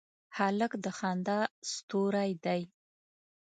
هلک د خندا ستوری دی.